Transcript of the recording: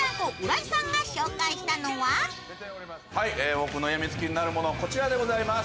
僕のやみつきになるものはこちらでございます。